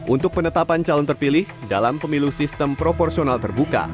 untuk penetapan calon terpilih dalam pemilu sistem proporsional terbuka